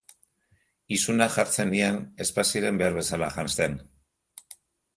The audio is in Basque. Isuna jartzen nien ez baziren behar bezala janzten.